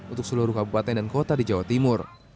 untuk seluruh kabupaten dan kota di jawa timur